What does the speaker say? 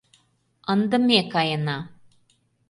Ынде ме каена.